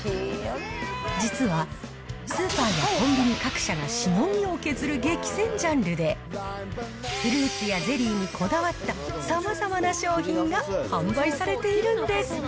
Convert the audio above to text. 実はスーパーやコンビニ各社がしのぎを削る激戦ジャンルで、フルーツやゼリーにこだわったさまざまな商品が販売されているんです。